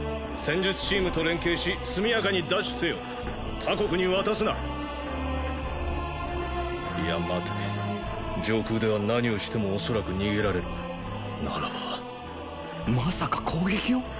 戦術チームと連携し速やかに奪取せよ他国に渡すないや待て上空では何をしても恐らく逃げられるならば・まさか攻撃を？